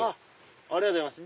ありがとうございます！